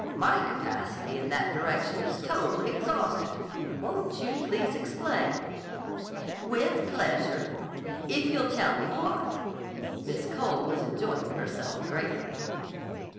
My capacity in that direction is totally exhausted. Won't you please explain?" "With pleasure. If you'll tell me what." Miss Cole was enjoying herself greatly.